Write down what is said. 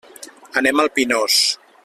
Anem al Pinós.